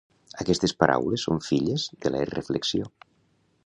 Aquestes paraules són filles de la irreflexió.